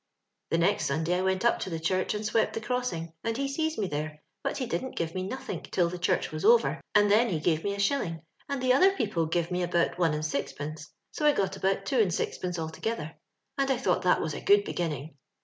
*" The next Sunday I went up to the church and swept the crossing, and he see me there, but he didn't give me nothink till the church was over, and then he gave me a shilling, and the other people give me about one and six pence ; so I got about two and sixpence altoge ther, and I thought that was a good beginning.